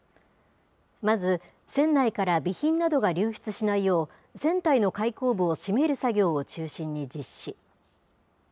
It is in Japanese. まず、船内から備品などが流出しないよう、船体の開口部を閉める作業を中心に実施。